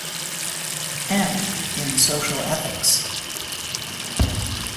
M. in social ethics.